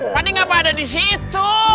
pade ngapa ada disitu